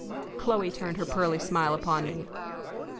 Chloe turned her pearly smile upon me.